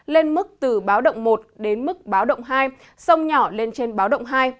lên mức từ báo động một đến mức báo động hai sông nhỏ lên trên báo động hai